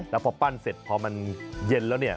แล้วพอปั้นเสร็จพอมันเย็นแล้วเนี่ย